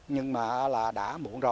nhưng mà là